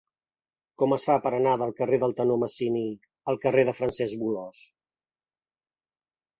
Com es fa per anar del carrer del Tenor Masini al carrer de Francesc Bolòs?